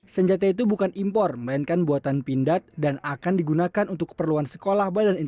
senjata itu bukan impor melainkan buatan pindad dan akan digunakan untuk keperluan sekolah badan